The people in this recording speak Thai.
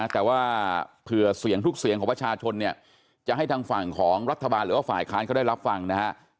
แต่ว่าเผื่อเสียงทุกเสียงของประชาชนเนี่ยจะให้ทางฝั่งของรัฐบาลหรือว่าฝ่ายค้านเขาได้รับฟังนะฮะ